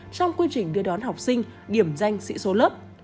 trong quy trình đưa đón học sinh điểm danh sĩ số lớp